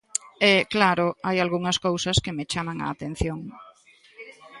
E, claro, hai algunhas cousas que me chaman a atención.